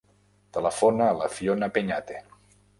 Telefona a la Fiona Peñate.